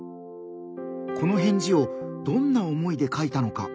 この返事をどんな思いで書いたのか？